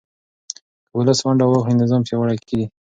که ولس ونډه واخلي، نظام پیاوړی کېږي.